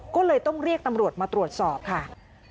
ก็เลยต้องเรียกตำรวจมาตรวจสอบค่ะ